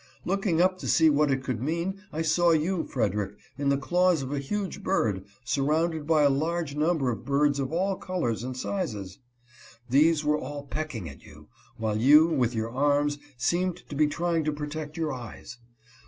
Looking up to see what it could mean, I saw you, Frederick, in the claws of a huge bird, surrounded 202 SANDY'S DREAM. by a large number of birds of all colors and sizes. These were all pecking at you, while you, with your arms, seemed to be trying to protect your eyes.